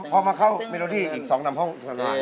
พอมาเข้าเมโลดี้อีกสองน้ำห้อง